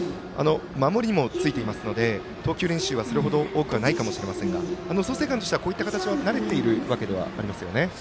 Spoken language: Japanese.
守りもついていますので投球練習はそれほど多くはないと思いますが創成館としては、こういった形は慣れているわけですよね。